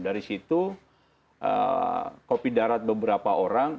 dari situ kopi darat beberapa orang